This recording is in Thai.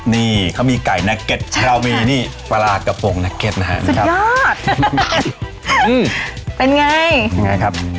นี่มีไก่นักเก็ตเนี่ยปลากระโพงนักเก็ตสุดยอดเป็นไงเป็นไงครับ